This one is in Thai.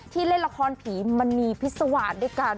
ที่เล่นละครผีมันนีพิษวาดด้วยกัน